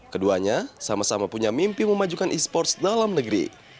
keduanya sama sama punya mimpi memajukan e sports dalam negeri